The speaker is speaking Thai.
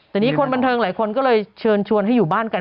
แต่นี่คนบันเทิงหลายคนก็เลยเชิญชวนให้อยู่บ้านกัน